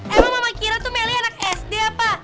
emang mama kira tuh melly anak sd apa